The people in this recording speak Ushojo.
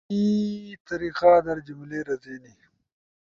صحیح طریقہ در جملے رزینی؟